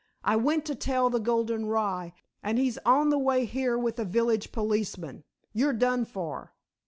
I went to tell the golden rye, and he's on the way here with the village policeman. You're done for."